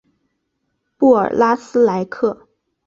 布尔拉斯蒂克。